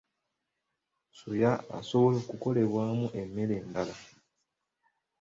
Soya asobola okukolebwamu emmere endala.